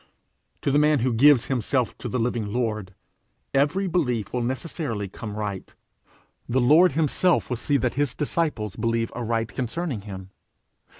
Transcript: To the man who gives himself to the living Lord, every belief will necessarily come right; the Lord himself will see that his disciple believe aright concerning him.